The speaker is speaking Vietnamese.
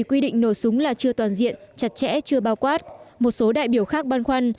quy định nổ súng là chưa toàn diện chặt chẽ chưa bao quát một số đại biểu khác băn khoăn